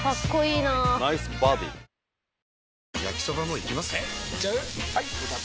えいっちゃう？